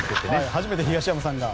初めて東山さんが。